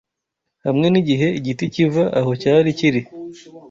Hamwe nigihe igiti kiva aho cyari kiri